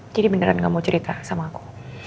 jadi beneran gak mau cerita sama aku